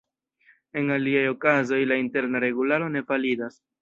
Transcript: En aliaj okazoj, la Interna Regularo ne validas.